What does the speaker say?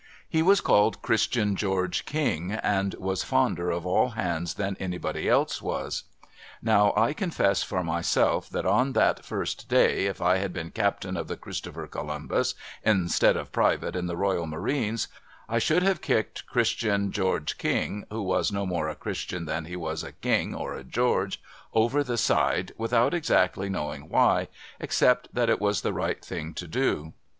He was called Christian George King, and was fonder of all hands than anybody else was. Now, I confess, for myself, that on that first day, if I had been captain of the Christopher Columbus, instead of private in the Royal Marines, I should have kicked Christian George King — who was no more a Christian than he was a King or a George — over the side, without exactly knowing why, except that it was the right thing to do.